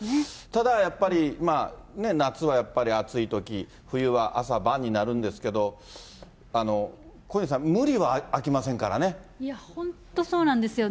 ただやっぱり、ねぇ、夏はやっぱり暑いとき、冬は朝晩になるんですけれども、小西さん、いや、本当そうなんですよ。